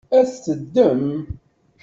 Ad t-teddem?